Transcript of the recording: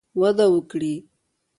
وده وکړي